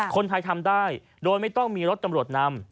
คนไทยทำได้โดยไม่ต้องมีรถตำรวจนำ